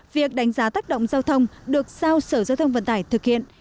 việc đánh giá tác động giao thông được giao sở giao thông vận tải thực hiện